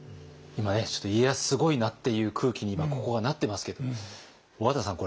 今ねちょっと家康すごいなっていう空気にここがなってますけども小和田さん